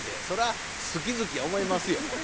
それは好き好きや思いますよ。